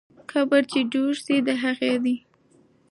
قبر چې جوړ سوی، د هغې دی.